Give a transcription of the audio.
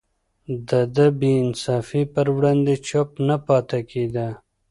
ده د بې انصافي پر وړاندې چوپ نه پاتې کېده.